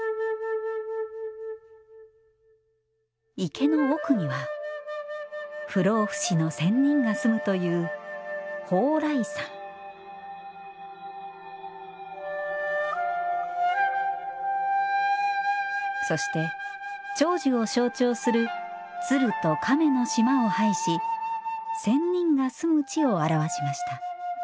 池の奥には不老不死の仙人が住むというそして長寿を象徴する鶴と亀の島を配し仙人が住む地を表しました。